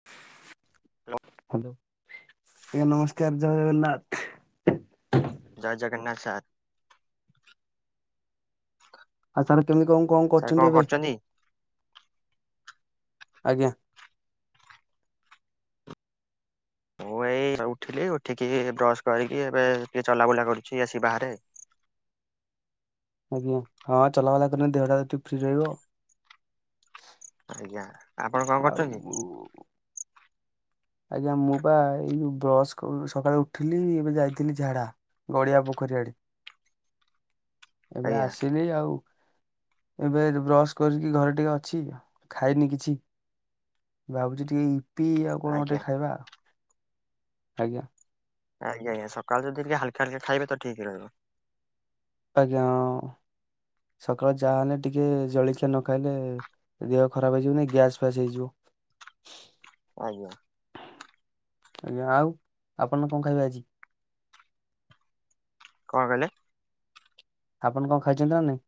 [inaudible] ଲ hello ଆଜ୍ଞା ନମସ୍କାର ଜୟନାଥ। ଜୟ Jagannath sir. ଆଉ ସାରେ କେମିତି କଁ କଁ ସାର୍ କଣ କରୁଚନ୍ତି ଏବେ? କରୁଛନ୍ତି? ଆଜ୍ଞା। ମୁଁ ଏଇ ଉଠିଲି ଉଠିକି ବ୍ରସ୍ କରିକି ଏବେ ଟିକେ ଚଲାବୁଲା କରୁଚି ଆସି ବାହାରେ। ଆଜ୍ଞା ହଁ ଚଲାବାଲା କନେ ଦେହଟା ଏତେ ଫ୍ରି ରହିବ। ଆଜ୍ଞା। ଆପଣ କଣ କରୁଛନ୍ତି? ଆଉ ଆଜ୍ଞା ମୁଁ ପା ଏଇ ଯୋଉ ବ୍ରସ୍ କ ସକାଳେ ଉଠିଲି ଏବେ ଯାଇଥିଲି ଝାଡ଼ା। ଗଡ଼ିଆ ପୋଖରୀ ଆଡ଼େ ଏବେ ଆଜ୍ଞା ଆସିଲି ଆଉ। ଏବେ ରୁ ବ୍ରସ୍ କରିକି ଘରେ ଟିକେ ଅଛି ଖାଇନି କିଛି। ଭାବୁଚି ଟିକେ ଇପି ଆଉ କଣ ଟିକେ ଆଜ୍ଞା ଖାଇବା। ଆଜ୍ଞା। ଆଜ୍ଞା ଆଜ୍ଞା ସକାଳୁ ଯଦି ଟିକ ହାଲକା ହାଲକା ଖାଇବେ ତ ଠିକ୍ ରହିବ। ଆଜ୍ଞା ହଁ ସକାଳ ଚା ହେନେ ଟିକେ ଜଳଖିଆ ନ ଖାଇଲେ ଦେହ ଖରାପ ହେଇଯିବନେଇ ଗ୍ୟାସ୍ ଫ୍ୟାସ୍ ହେଇଯିବ। ଆଜ୍ଞା। ଏ ଆଉ ଆପନ କଁ ଖାଇବେ ଆଜି? କଣ କହିଲେ? ଆପଣ କଁ ଖାଇଚନ୍ତି ନାଁ ନାଇଁ?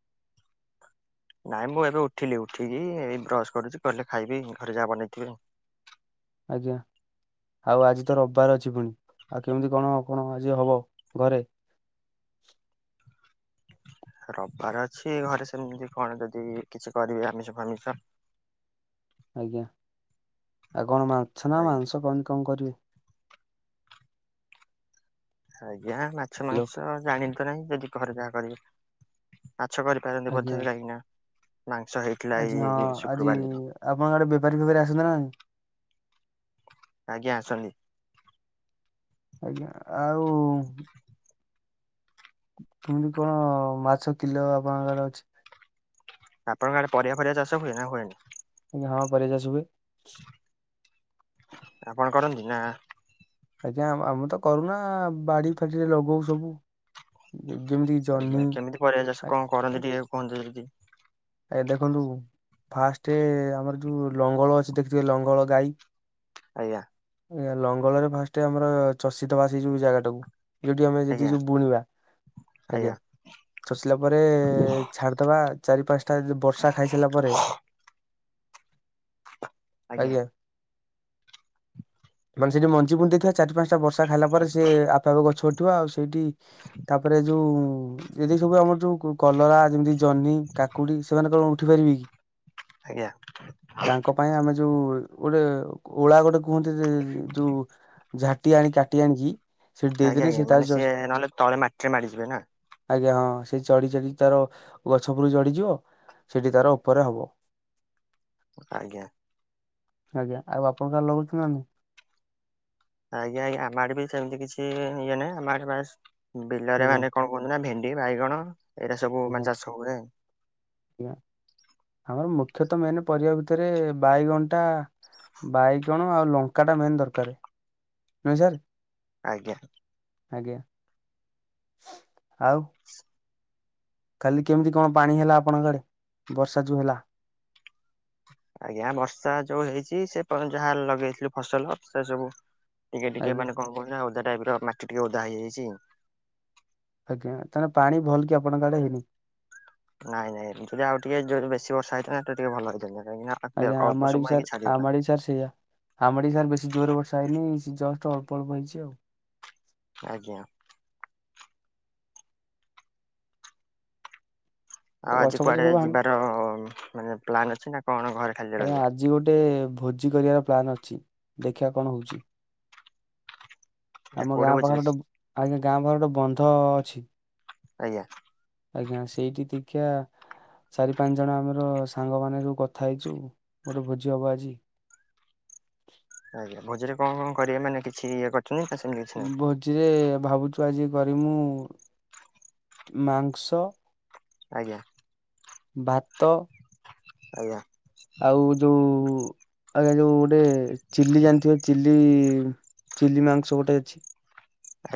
ନାଇଁ ମୁଁ ଏବେ ଉଠିଲି ଉଠିକି ଏଇ ବ୍ରସ୍ କରୁଚି ଗଲେ ଖାଇବି ଘରେ ଯାହା ବନେଇଥିବେ। ଆଜ୍ଞା। ଆଉ ଆଜି ତ ରବାର ଅଛି ପୁଣି ଆଉ କେମିତି କଣ କଣ ଆଜି ହବ ଘରେ? ରବାର ଅଛି ଘରେ ସେମିତି କଣ ଯଦି କିଛି କରିବେ ଆମିଷ ଫାମିଷ। ଆଜ୍ଞା ଆଉ କଣ ମାଂଛ ନା ଆଜ୍ଞା। ମାଂସ କଣ କମ୍ କରିବେ? ଆଜ୍ଞା ମାଛ ହ୍ୟାଲୋ ମାଂସ ଜାଣି ତ ନାହିଁ ଯଦି ଘରେ ଯାହା କରିବେ ମାଛ କରି ପାରନ୍ତି ଆଜ୍ଞା। ବୋଧେ କାହିଁକି ନା ମାଂସ ହେଇଥିଲା ଏଇ ଶୁକ୍ରବାର ଦିନ। ଆଉ ଆପଣ ଆଡ଼େ ବେପାରୀ ଫେପାରି ଆସନ୍ତି ନା ନାହିଁ? ଆଜ୍ଞା ଆସନ୍ତି। ଆଜ୍ଞା ଆଉ କେମିତି କଣ ମାଛ କିଲୋ ଆପଣଙ୍କ ଆଡ଼େ ଅଛି? ଆପଣଙ୍କ ଆଡ଼େ ପରିବା ଫରିବା ଚାଷ ହୁଏ ନା ହୁଏନି? ଇଁ ହଁ ପରିବା ଚାଷ ହୁଏ। ଆପଣ କରନ୍ତି ନାଁ ଆଜ୍ଞା ଆ ଆମୁ ତ କରୁନା ବାଡ଼ି ଫାଡି଼ରେ ଲଗଉ ସବୁ। ଯେମିତି ଜହ୍ନି ଆଜ୍ଞା କେମିତି ପରିବା ଚାଷ ଆ- କଁ କରନ୍ତି ଟିକେ କୁହନ୍ତେ ଯଦି ଏ ଦେଖନ୍ତୁ ଫାଷ୍ଟେ ଆମର ଯୋଉ ଲଙ୍ଗଳ ଅଛି ଦେଖିଥିବେ ଲଙ୍ଗଳ ଗାଈ। ଆଜ୍ଞା‌। ଏ ଲଙ୍ଗଲରେ ଫାଷ୍ଟେ ଆମର ଚଷିଦବା ସେଇ ଯୋଉ ଜାଗାଟାକୁ। ଯୋଉଠି ଆମେ ଯେତିକି ଆଜ୍ଞା ସବୁ ବୁଣିବା ଆଜ୍ଞା। ଚଷିଲା ପରେ ଛାଡ଼ିଦବା ଚାରି ପାଁଶଟା ଏ ଯୋଉ ବର୍ଷା ଖାଇସାରିଲା ପରେ ଆଜ୍ଞା। ମାନେ ସେଇ ଯୋଉ ମଞ୍ଜି ବୁଣି ଦେଇଥିବା ଚାରି ପାଁଶଟା ବର୍ଷା ଖାଇଲା ପରେ ସିଏ ଆପେ ଆପେ ଗଛ ଉଠିବ ଆଉ ସେଇଠି ତାପରେ ଯୋଉ ଏ ଯି ସବୁ ଆମର ଯୋଉ କଲରା, ଯେମିତି ଜହ୍ନି କା ସେମାନେ କଣ ଉଠି ପାରିବେ କି? ଆଜ୍ଞା। ତାଙ୍କ ପାଇଁ ଆମେ ଯୋଉ ଗୋଟେ ଓଳା ଗୋଟେ କୁହନ୍ତି ଯୋଉ ଝାଟି ଆଣି କାଟି ଆଣିକି। ସେଠି ଆଜ୍ଞା ଦେଇଦେଲେ ଆଜ୍ଞା ସେ ମାନେ ତାର ସିଏ ନହଲେ ତଳେ ମାଟିରେ ମାଡିଯିବ ନା। ଆଜ୍ଞା ହଁ ସେ ଚଢି ଚଢି ତାର ଗଛ ଉପୁରୁ ଚଢ଼ି। ଯିବ ସେଠି ତାର ଉପରେ ହବ। ଆଜ୍ଞା ଆଜ୍ଞା ଆଉ ଆପଣ ଲଗଉଛନ୍ତି ନା ନାହିଁ? ଆଜ୍ଞା ଆଜ୍ଞା ଆମ ଆଡେ ସେମିତି କିଛି ଇଏ ନାଇଁ ଆମ ବିଲରେ ଆଜ୍ଞା ମାନେ କଣ କୁ ଭେଣ୍ଡି ବାଇଗଣ ଏଇଟା ସବୁ ଆଜ୍ଞା ମାନେ ଚାଷ ହୁଏ। ଆମର ମୁଖ୍ୟତଃ ମେନ ପରିବା ଭିତରେ ବାଇଗଣଟା। ବାଇଗଣ ଆଉ ଲଙ୍କା ଟା ମେନ୍ ଦରକାର। ନୁହେଁ ସାର୍? ଆଜ୍ଞା ଆଜ୍ଞା ଆଉ କାଲି କେମିତି କଣ ପାଣି ହେଲା ଆପଣଙ୍କ ଆଡେ ବର୍ଷା ଯୋଉ ହେଲା। ଆଜ୍ଞା ବର୍ଷା ଯୋଉ ହେଇଛି ସେ ଯାହା ଲଗେଇଥିଲୁ ଫସଲ ସେ ସବୁ ଟିକେ ଟିକେ ଆଜ୍ଞା ମାନେ କଣ କହୁଛ ଓଦା ଟାଇପ ର ମାଟି ଟିକେ ଓଦା ହେଇଯାଇଛି। ଆଜ୍ଞା ତାହେଲେ ପାଣି ଭଲ କି ଆପଣଙ୍କ ଆଡେ ହେଇନି ନାଇଁ ନାଇ ଯଦି ଆଉ ଟିକେ ଜୋର ବେଶୀ ବର୍ଷା ହେଇଥାନ୍ତା ଟିକେ ଭଲହଇ ଥାନ୍ତ। ଆଜ୍ଞା ଆମଆଡେ ସାର୍ ଆମ ଆଡେ ବି ସାର୍ ସେଇଆ। ଆମ୍ବାଡି ସାର ବେଶୀ ଜୋରରେ ବର୍ଷା ହେଇନି ଜଷ୍ଟ ଅ୍ପ ଅଳ୍ପ ହେଇଛି ଆଉ ଆଜ୍ଞା ଏ ଆଉ ଗଛ ଆଜି ଫଛ କୁଆଡେ ସବୁ ହାଣି ଯିବାର ମାନେ ପ୍ଲନ୍ ଅଛି ନା କଣ ଘରେ ଖାଲି ଆଜ୍ଞା ରହିବେ। ଆଜି ଗୋଟେ ଭୋଜି କରିବାର ପ୍ଲାନ ଅଛି ଦେଖିବା କଣ ହଉଛି। ଆଜ୍ଞା ଆମ କୋଉଠି ଗାଁ ଭୋଜି ପାଖରେ ଅଛି? ଗୋଟେ ଆମ ଗାଁ ପାଖରେ ଗୋଟେ ବନ୍ଧ ଅଛି। ଆଜ୍ଞା ଆଜ୍ଞା ସେଇଠି ଦେଖିବା ଚାରି ପାଞ୍ଚ ଜଣ ଆମର ସାଙ୍ଗ ମ ସବୁ କଥା ହେଇଛୁ ଗୋଟେ ଭୋଜି ହବ ଆଜି। ଆଜ୍ଞ ଭୋଜରେ କଣ କଣ କରିବେ ମାନେ କିଛି ଇଏ [unintelligible] ଭୋଜିରେ ଭାବୁଛୁ ଆଜି କରିମୁ ମାଂସ। ଆଜ୍ଞା। ଭାତ। ଆଜ୍ଞା ଆଉ ଯୋଉ ଆଜ୍ଞା ଯୋଉ ଗୋଟେ ଚିଲି ଜାଣିଥିବ ଚିଲି। ଚ-ଚିଲି ମାଂସ ଗୋଟେ ଅଛି।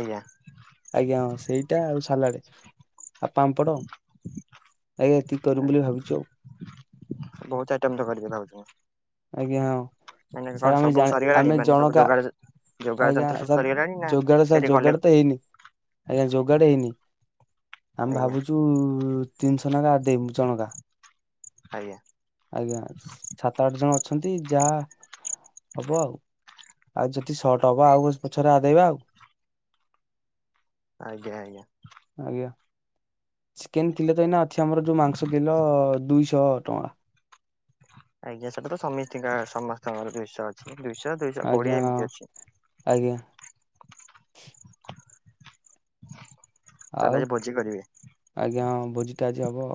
ଆଜ୍ଞା ଆଜ୍ଞା ହଁ ସେଇଟା ଆଉ ସାଲାଡ। ଆ ପାମ୍ପଡ଼, ଆଜ୍ଞା ଏତିକି କରବି ଆଜ୍ଞା ବୋଲି ଭାବିଛୁ। ବହୁତ ଆଇଟମ [inaudible] ଆଜ୍ଞା ହଁ ମାନେ କଣ ସାର୍ ଆମେ ସବୁ ଜାଣି ସରିଗଲାଣି ଆମେ ମାନେ ସବୁ ଜଣକା ଯୋଗାଡ଼ ଯୋଗାଡ଼ ଆଜ୍ଞା ଯନ୍ତ୍ର ସବୁ ସାର୍ ସରିଗଲାଣି ନା ଯୋଗାଡ ସାର୍ ସେଠି ଗଲେ ଯୋଗାଡ ତ ହେଇନି ଆଜ୍ଞା ଯୋଗାଡ ହେଇନି। ଆମେ ଆଜ୍ଞା ଭାବୁଛୁ ତିନିଶହ ଲାକା ଦେବୁ ଜଣକା। ଆଜ୍ଞା ଆଜ୍ଞା ସାତ ଆଠ ଜଣ ଅଛନ୍ତି ଯାହା ହବ ଆଉ ଆଉ ଯଦି ସର୍ଟ ହବ ଆଉ ପଛରେ ଆଦେଇବା ଆଉ। ଆଜ୍ଞା ଆଜ୍ଞା ଆଜ୍ଞା। ଚିକେନ କିଲେ ତ ଏଇନା ଅଛି ଆମର ଯୋଉ ମାଂସ କିଲୋ ଦୁଇଶହ ଟଙ୍କା। ଆଜ୍ଞା ସେଟା ତ ସମିସ୍ତିଙ୍କ-ସମସ୍ତଙ୍କର ଦୁଇଶହ ଅଛି ଦୁଇଶହ ଦୁଇଶହ କୋଡିଏ ଏମିତି ଅଛି। ଆଜ୍ଞ। ତାହେଲେ ଆଉ ଆଜି ଭୋଜି କରିବେ? ଆଜ୍ଞା ହଁ ଭୋଜିଟା ଆଜି ହବ,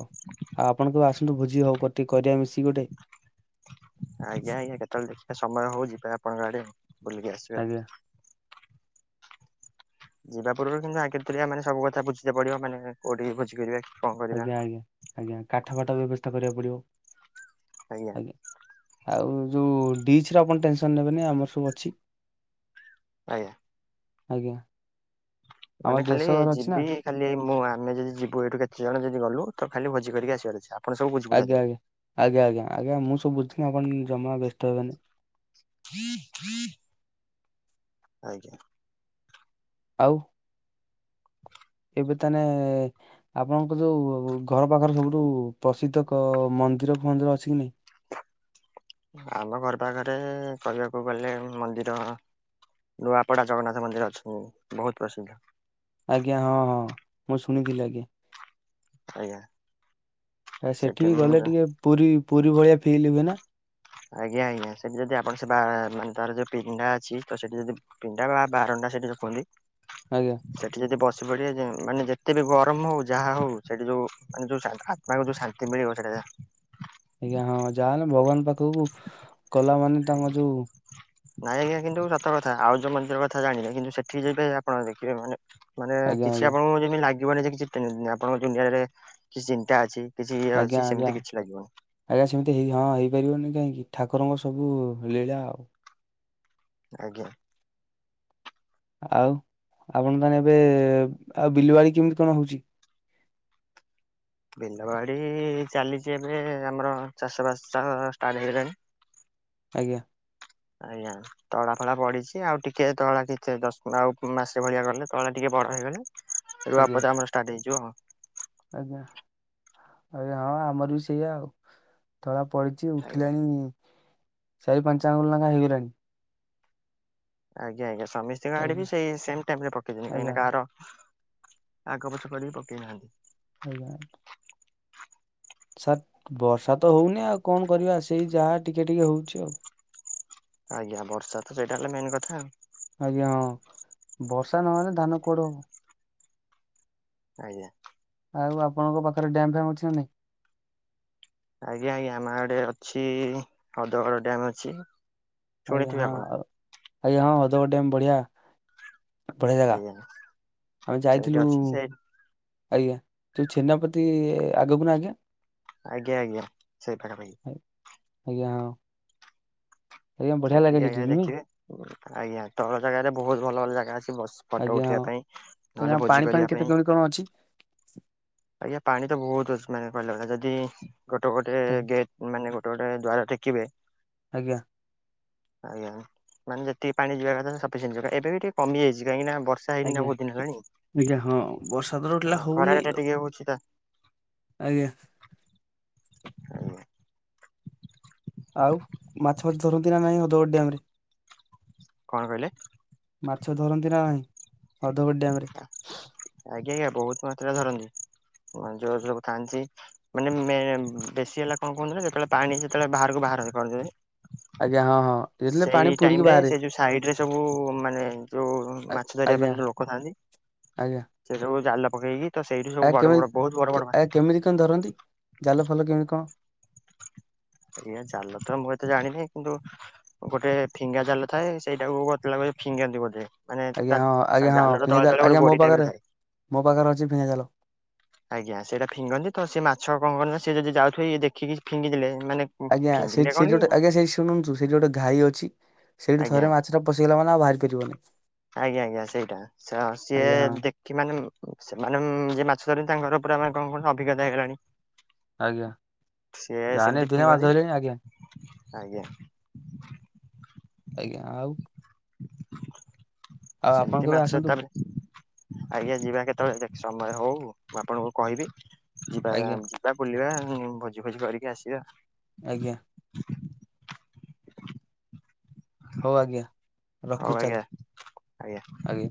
ଆଉ ଆପଣ କେବେ ଆସନ୍ତୁ ଭୋଜି ହଉକେ କରିବା ମିଶିକି ଗୋଟେ। ଆଜ୍ଞା ଆଜ୍ଞା କେତେବେଳେ ଦେଖିବା ସମୟ ହଉଛି ଆପଣଙ୍କ ଆଡେ ବୁଲିକି ଆସିବା। ଆଜ୍ଞା ଯିବା ପୂର୍ବରୁ କିନ୍ତୁ ଆଗେତିରିଆ ମାନେ ସବୁ କଥା ବୁଝିତେ ପଡିବ ମାନେ କୋଉଠି ଭୋଜିି କରିବା। କଣ କରିବା ଆଜ୍ଞା ଆଜ୍ଞା ଆଜ୍ଞା କାଠ ଫାଠ ବ୍ୟବସ୍ଥା କରିବାକୁ ପଡିବ ଆଜ୍ଞା। ଆଉ ଯୋଉ ଡିଚ୍ ର ଆପଣ ଟେନସନ ନେବେନି ଆମର ସବୁ ଅଛି। ଆଜ୍ଞା। ଆଜ୍ଞା। ଆମ ମାନେ ଖାଲି ଦେଶ ଘର ଅଛି ନା ଯିବି ଖାଲି ମୁଁ ଆମେ ଯଦି ଯିବୁ ଏଇଠୁ କେତେ ଜଣ ଯଦି ଗଲୁ ତ ଖାଲି ଭୋଜି କରିକି ଆସିବାର ଅଛି। ଆ ଆଜ୍ଞା ଆଜ୍ଞା ଆଜ୍ଞ। ଆଜ୍ଞା ଆଜ୍ଞା ମୁଁ ସବୁ ବୁଝଥିବି ଆପଣ ଜମା ବ୍ୟସ୍ତ ହେବେନି। ଆଜ୍ଞା। ଆଉ। ଏବେ ତାନେ ଆପଣଙ୍କ ଯୋଉ ଘର ପାଖରେ ସବୁଠୁ ପ୍ରସିଦ୍ଧ କ ମନ୍ଦିର ଫନ୍ଦିର ଅଛି କି ନାଇଁ? ଆମ ଘର ପାଖରେ କହିବାକୁ ଗଲେ ମନ୍ଦିର ନୂଆପଡ଼ା ଜଗନ୍ନାଥ ମନ୍ଦିର ଅଛନ୍ ବହୁତ ପ୍ରସିଦ୍ଧ। ଆଜ୍ଞା ହଁ ହଁ ମୁଁ ଶୁଣିଥିଲି ଆଜ୍ଞା। ଆଜ୍ଞା। ସେଠି ବି ଗଲେ ଟିକେ ପୁରୀ ପୁରୀ ଭଳିଆ ଫିଲ ହୁଏ ନା? ଆଜ୍ଞା ଆଜ୍ଞା ସେଠି ଯଦି ଆପଣ ସେ ବା ମାନେ ତାର ଯୋଉ ପିଣ୍ଡା ଅଛି ତ ସେଠି ଯଦି ପିଣ୍ଡା ବା ବାରଣ୍ଡା ସେଠି ଯଉ କହୁନ୍ତି। ଆଜ୍ଞା। ସେଠି ଯଦି ବସି ପଡିବ ଯେ ମାନେ ଯେତେ ବି ଗରମ ହଉ ଯାହା ହଉ ସେଠି ଯୋଉ ମାନେ ଯୋଉ ସା ଆ ମାନେ ଯୋଉ ଶାନ୍ତି ମିଳିିବ ସେଟା ଯା ଆଜ୍ଞା ହଁ ଯାହାହେଲେ ଭଗବାନ ପାଖକୁ କଲା ମାନେ ତାଙ୍କ ଆଜ୍ଞା। ଯୋଉ ନାଇଁ ଆଜ୍ଞା କିନ୍ତୁ ସତ କଥା ଆଉ ଯୋଉ ମନ୍ଦିର କଥା ଜାଣିନି କିନ୍ତୁ ସେଠି ଯିବେ ଆପଣ ଦେଖିବେ ମାନେ ମାନେ ଆଜ୍ଞା କିଛି ଆଜ୍ଞା ଆପଣଙ୍କୁ ଯେମିତି ଲାଗିବନି ଯେ କିଛି ଟେନ୍ ଆପଣଙ୍କ ଦୁନିଆରେ କିଛି ଚିନ୍ତା ଅଛି। କିଛି ଇଏ ଆଜ୍ଞା ଅଛି ଆଜ୍ଞା ସେମିତି କିଛି ଲାଗିବନି। ଆଜ୍ଞା ସେମିତି ହେଇ ହଁ ହେଇପାରିବନି କାହିଁକି ଠାକୁରଙ୍କ ସବୁ ଲୀଳା ଆଉ। ଆଜ୍ଞା। ଆଉ ଆପଣ ତାହେଲେ ଏବେ ଆଉ ବିଲ ବାଡି କେମିତି କଣ ହଉଛି? ବିଲବାଡି ଚାଲିଛି ଏବେ ଆମର ଚାଷ ବାସ ଷ୍ଟାର୍ଟ ହେଇଗଲାଣି। ଆଜ୍ଞା। ଆଜ୍ଞା। ତଳା ଫଳା ପଡିଛି ଆଉ ଟିକେ ତଳା କିଛି ଦଶ ଆଉ ମାସେ ଭଳିଆ ଗଲେ ତଳା ଟିକେ ବଡ ହେଇଗଲେ ରୁଆ ଆଜ୍ଞା ପୁତା ଆମର ଷ୍ଟାର୍ଟ ହେଇଯିବ। ଆଜ୍ଞା ଆଜ୍ଞା ହଁ ଆମର ବି ସେଇଆ ଆଉ ତଳା ପଡି ଛି ଆଉ। ଉଠିଲାଣି ଚାରି ପାଞ୍ଚ ଆଙ୍ଗୁଳି ଲେକା ହେଇଗଲାଣି। ଆଜ୍ଞା ଆଜ୍ଞା ସମିସ୍ତିଙ୍କ ଆଡେ ବି ଆଜ୍ଞା ସେଇ ସେମ୍ ଟାଇମରେ ପକେଇଛନ୍ତି କାହିଁକି ଆଜ୍ଞା ନା କାହାର ଆଗ ପଛ କରିକି ପକେଇ ନାହାନ୍ତି। ଆଜ୍ଞା। ସାର୍ ବର୍ଷା ତ ହଉନି ଆଉ କଣ କରିବା ସେଇ ଯାହା ଟିକେ ଟିକେ ହଉଛି ଆଉ। ଆଜ୍ଞା ବର୍ଷା ତ ସେଇଟା ହେଲା ମେନ୍ କଥା ଆଉ। ଆଜ୍ଞା ହଁ ବର୍ଷା ନହେଲେ ଧାନ କୁଆଡୁ ହବ। ଆଜ୍ଞା। ଆଉ ଆପଣଙ୍କ ପାଖରେ ଡ୍ୟାମ୍ ଫ୍ୟାମ୍ ଅଛି ନା ନାଇଁ? ଆଜ୍ଞା ଆଜ୍ଞା ଆମ ଆଡେ ଅଛି ହଦଗଡ ଡ୍ୟାମ୍ ଅଛି। ଆଜ୍ଞା ଶୁଣିଥିବେ ହଁ ଆପଣ ଆଜ୍ଞା ହଁ ହଦଗଡ ଡ୍ୟାମ୍ ବଢିଆ। ବଢିଆ ଜାଗା। ଆଜ୍ଞା ଆମେ ସେଇଠି ଯାଇଥିଲୁ ଅଛି ସେଇ ଆଜ୍ଞା ଯୋଉ ଛେନା ପତି ଆଗକୁ ନା ଆଜ୍ଞା? ଆଜ୍ଞା ଆଜ୍ଞା ସେଇ ପାଖାପାଖି। ଆଜ୍ଞା ହଁ। ଆଜ୍ଞା ବଢିଆ ଲାଗେ ସେଠିକ୍ ସେଠି ଆଜ୍ଞା ନୁହେଁ ଦେଖିବେ। ଆଜ୍ଞା ତଳ ଜାଗାରେ ବହୁତ ଭଲ ଭଲ ଜାଗା ଅଛି ବସ ଫଟୋ ଆଜ୍ଞା ଉଠେଇବା ପାଇଁ। ନହେଲେ ଆଜ୍ଞା ଭୋଜି ପାଣି କରିବା ଫାଣି କେତେ ପାଇଁ କେମିତି କଣ ଅଛି? ଆଜ୍ଞା ପାଣି ତ ବହୁତ ମାନେ କହିଲେ ଯଦି ଗୋଟେ ଗୋଟେ ଗେଟ୍ ମାନେ ଗୋଟେ ଗୋଟେ ଦ୍ୱାରା ଟେକିବେ। ଆଜ୍ଞା। ଆଜ୍ଞା ମାନେ ଯେତିିକି ପାଣି ଯିବା କଥା ସଫିସିଣ୍ଟ ଯିବ। ଏବେ ଟିକେ କମିଯାଇଚି କାହିଁକି ନା ବର୍ଷ ଆଜ୍ଞା ହଁ ବର୍ଷା ତ ଟୋଟାଲି ହଁ ହଉନି ଖରାରେ ଟା ଆଉ। ଟିକେ ହଉଛି ତ ଆଜ୍ଞା। ଉଁ। ଆଉ ମାଛ ଫାଛ ଧରନ୍ତି ନା ନାଇଁ ହଦଗଡ ଡ୍ୟାମ୍ ରେ? କଣ କହିଲେ? ମାଛ ଧରନ୍ତି ନା ନାହିଁ? ହଦଗଡ ଡ୍ୟାମ ରେ? ଆଜ୍ଞା ଆଜ୍ଞା ବହୁତ ମାତ୍ରାରେ ଧରନ୍ତି। ଯୋଉ ଯ ଲୋକ ଥାନ୍ତି। ମାନେ ମେନ୍ ବେଶୀ ହେଲା କଣ କୁହନ୍ତି ନା ଯେତେବେଳେ ପାଣି ଯେତେବେଳେ ବାହାରକୁ ବାହାର କରଦେବେ। ଆଜ୍ଞା ହଁ ହଁ। ଯେତେବେଳେ ପାଣି ସେଇ ପୁରିକି ଟାଇମ ରେ ବାହାରେ ସେ ଯୋଉ ସାଇଡ ରେ ସବୁ ମାନେ ଯୋଉ ଆ ମାଛ ଧରିବା ଆଜ୍ଞା ପାଇଁ ଯୋଉ ଲୋକ ଥାଆନ୍ତି। ଆଜ୍ଞା। ସେ ସବୁ ଜାଲ ପକେଇକି ତ ସେଇଠୁ ଆ ସବୁ ବଡ କେମିତି ବଡ ବହୁତ ବଡ କେ ବଡ ଆ ମାଛ କେମିତି ଧରନ୍ତି ଜାଲ ଫାଲ କେମିତି କଣ? ଆଜ୍ଞା ଜାଲ ତ ମୁଁ ଏତେ ଜାଣିନି କିନ୍ତୁ ଗୋଟେ ଫିଙ୍ଗା ଜାଲ ଥାଏ। ସେଇଟାକୁ [unintelligible] ଲାଗ ଫିଙ୍ଗାନ୍ତି ବୋଧେ? ମାନେ ଆଜ୍ଞା ତା ହଁ ଆଜ୍ଞା ହଁ ଜାଲର ଫିଙ୍ଗା ତଳେ ଜାଲ ତଳେ ଆଜ୍ଞା ଗୋଟେ ମୋ ଗୋଡି ଟାଇପ ପାଖରେ ରେ ଥାଏ। ମୋ ପାଖରେ ଅଛି ଫିଙ୍ଗା ଜାଲ। ଆଜ୍ଞା ସେଇଟା ଫିଙ୍ଗନ୍ତି। ତ ସେଇ ମାଛ କଣ କର ସେ ଯଦି ଯାଉଥିବେ ଦେଖିକି ଫିଙ୍ଗି ଦେଲେ ମାନେ ଆଜ୍ଞା ଫିଙ୍ଗିଲେ ସେଇଠି କଣ ସେଠି କି ଗୋଟେ ଆଜ୍ଞା ସେଠି ଶୁଣୁନ୍ତୁ ସେଇଠି ଗୋଟେ ଘାଇ ଅଛି। ସେଇଠି ଆଜ୍ଞା ଥରେ ମାଛଟା ପଶିଗଲା ମାନେ ଆଉ ବାହାରି ପାରିବନି। ଆଜ୍ଞା ଆଜ୍ଞା ସେଇଟା ସ ସିଏ ଆଜ୍ଞା ହଁ ଦେ ଖି ମାନେ ସେମାନେ ଯିଏ ମାଛ ଧରିନ୍ତି ତାଙ୍କର ପୁରା ମାନେ କଣ କହିଲ ପୁରା ମାନେ ଅଭିଜ୍ଞତା ହେଇଗଲାଣି। ଆଜ୍ଞା ସିଏ ଜାଲେ ସେମିତି ଢେରେ ମାଛ ଫିଙ୍ଗନ୍ତି ଧରିଲେଣି ଆଜ୍ଞା। ଆଜ୍ଞା। ଆଜ୍ଞା ଆଉ। ଆଉ ଆପଣ ସେମତି କେବେ ମାଛ ଆସନ୍ତୁ ତା ହେଲେ ଆଜ୍ଞା ଯିବା କେତେବେଳେ ଦେଖ ସମୟ ହଉ ମୁଁ ଆପଣଙ୍କୁ କହିବି। ଯିବା ଆଜ୍ଞା ଏଁ ଯିବା ବୁଲିବା ଉଁ ଭୋଜି ଫୋଜି କରିକି ଆସିବା। ଆଜ୍ଞା। ହଉ ଆଜ୍ଞା ହଉ ରଖୁ ଆଜ୍ଞା ଆଜ୍ଞା। ଚାଲ।